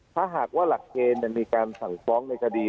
ถ้าหากว่าหลักเกณฑ์มีการสั่งฟ้องในคดี